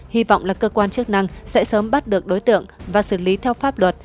hy vọng là cơ quan chức năng sẽ sớm bắt được đối tượng và xử lý theo pháp luật